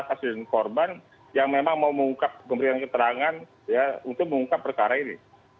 kasus korban yang memang mau mengungkap pemberian keterangan untuk mengungkap perkara ini